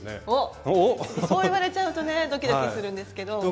おっそう言われちゃうとねドキドキするんですけど。